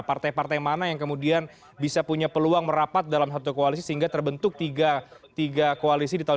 partai partai mana yang kemudian bisa punya peluang merapat dalam satu koalisi sehingga terbentuk tiga koalisi di tahun dua ribu sembilan